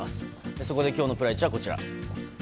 そこで、今日のプライチはこちら。